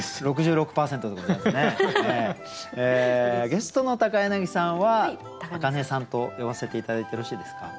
ゲストの高柳さんは明音さんと呼ばせて頂いてよろしいですか？